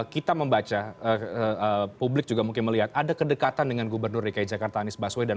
kita membaca publik juga mungkin melihat ada kedekatan dengan gubernur dki jakarta anies baswedan